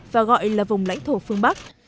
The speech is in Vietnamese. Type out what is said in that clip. và gọi là vùng lãnh thổ phương bắc